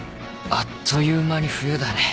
あっという間に冬だね。